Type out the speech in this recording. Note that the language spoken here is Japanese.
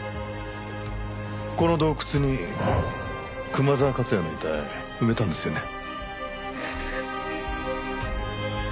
この洞窟に熊沢和也の遺体埋めたんですよね？